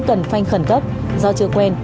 cần phanh khẩn cấp do chưa quen